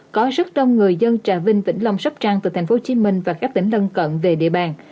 có rất đông người dân trà vinh tỉnh long sắp trang từ tp hcm và các tỉnh lân cận về địa bàn